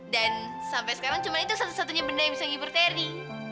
dan sampai sekarang cuma itu satu satunya benda yang bisa ngibur tiri